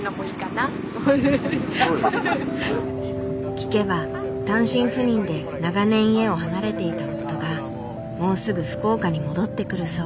聞けば単身赴任で長年家を離れていた夫がもうすぐ福岡に戻ってくるそう。